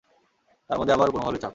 তারমধ্যে আবার উপরমহলের চাপ।